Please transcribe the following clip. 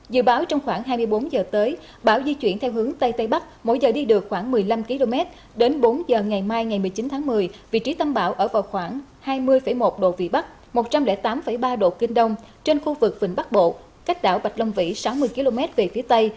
dự báo trong khoảng hai mươi bốn giờ tới bão di chuyển theo hướng tây tây bắc mỗi giờ đi được khoảng một mươi năm km đến bốn giờ ngày mai ngày một mươi chín tháng một mươi vị trí tâm bão ở vào khoảng hai mươi một độ vị bắc một trăm linh tám ba độ kinh đông trên khu vực vịnh bắc bộ cách đảo bạch long vĩ sáu mươi km về phía tây